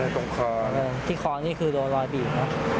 ตีหัวขอค่านี่คือโดนลอยบีบค่ะ